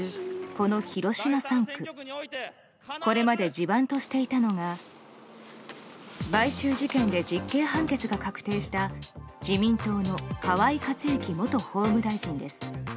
これまで地盤としていたのが買収事件で実刑判決が確定した自民党の河井克行元法務大臣です。